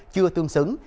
chưa tương xứng